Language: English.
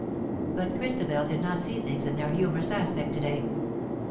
But Christabel did not see things in their humorous aspect to day.